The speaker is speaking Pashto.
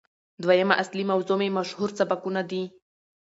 دويمه اصلي موضوع مې مشهورسبکونه دي